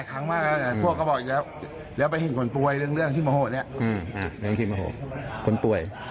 ก็ยืนยันว่าบ้างกรีมอ่ะโหคนป่วย